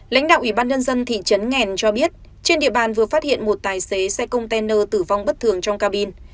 lãnh đạo ủy ban nhân dân thị trấn nghèn cho biết trên địa bàn vừa phát hiện một tài xế xe container tử vong bất thường trong cabin